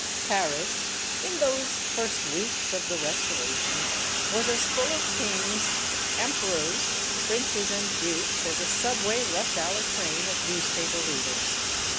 Paris, in those first weeks of the "Restoration," was as full of kings, emperors, princes, and dukes as a sub way rush hour train of newspaper readers.